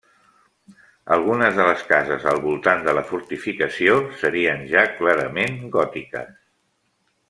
Algunes de les cases al voltant de la fortificació serien ja clarament gòtiques.